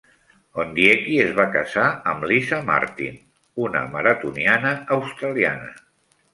Ondieki es va casar amb Lisa Martin, una maratoniana australiana.